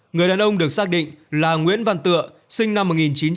người đàn ông được xác định là nguyễn văn tựa sinh năm một nghìn chín trăm bảy mươi hai